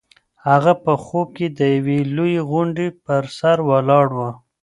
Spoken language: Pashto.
هغه په خوب کې د یوې لویې غونډۍ په سر ولاړه وه.